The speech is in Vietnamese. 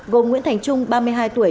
gồm nguyễn thành trung ba mươi hai tuổi